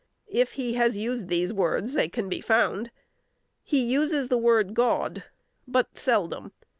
If he has used these words, they can be found. He uses the word God but seldom.